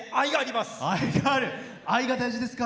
愛が大事ですか？